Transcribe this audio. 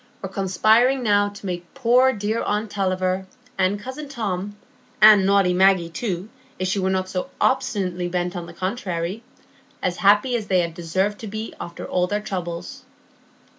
were conspiring now to make poor dear aunt Tulliver, and cousin Tom, and naughty Maggie too, if she were not obstinately bent on the contrary, as happy as they deserved to be after all their troubles.